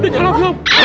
udah jawab dong